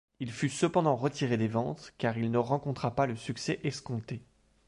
Il fut cependant retiré des ventes, car il ne rencontra pas le succès escompté.